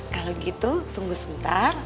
kalau gitu tunggu sebentar